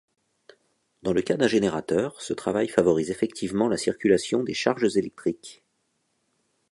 Dans le cas d'un générateur, ce travail favorise effectivement la circulation des charges électriques.